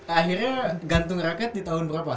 akhirnya gantung rakyat di tahun berapa